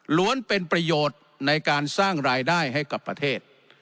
ล้วนเป็นประโยชน์ในการสร้างรายได้ให้กับประเทศ